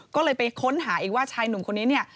ก็เลยไปค้นหาอีกว่าชายหนุ่มคนนี้เนี่ย